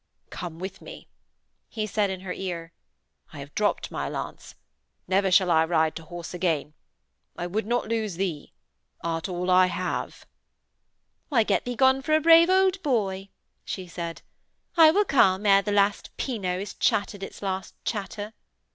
'Come with me,' he said in her ear. 'I have dropped my lance. Never shall I ride to horse again. I would not lose thee; art all I have.' 'Why, get thee gone for a brave old boy,' she said. 'I will come ere the last pynot has chattered its last chatter.'